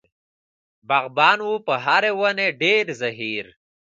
باغبان و په هرې ونې ډېر زهیر.